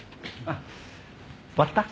終わった？